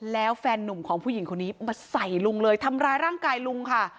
แล้วแฟนนุ่มของผู้หญิงคนนี้มาใส่ลุงเลยทำร้ายร่างกายลุงค่ะ